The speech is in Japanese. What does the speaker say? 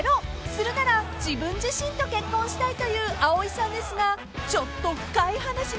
［するなら自分自身と結婚したいという蒼井さんですがちょっと深い話に突入します］